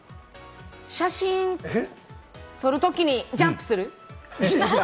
写真撮るときにジャンプする。